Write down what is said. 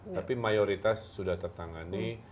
tapi mayoritas sudah tertangani